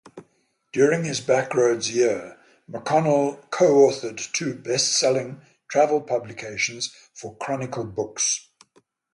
During his "Backroads" years, McConnell co-authored two best-selling travel publications for Chronicle Books.